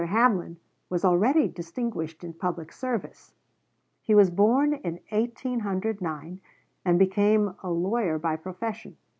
Hamlin was already distinguished in public service. He was born in 1809, and became a lawyer by profession.